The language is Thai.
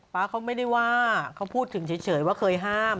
๊าเขาไม่ได้ว่าเขาพูดถึงเฉยว่าเคยห้าม